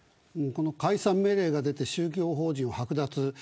解散命令が出て宗教法人を剥奪。